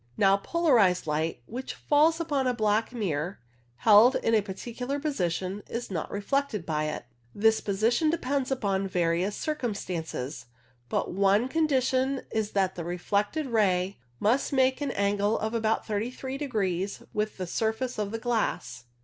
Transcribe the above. Now, polarized light which falls upon a black mirror held in a particular position is not reflected by it. This position depends upon various circumstances, but one con dition is that the reflected ray must make an angle of about 33 degrees with the surface of the glass.